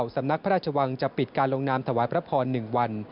สำนักพระราชวังจะปิดการลงนามถวายพระพร๑วัน